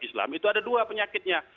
islam itu ada dua penyakitnya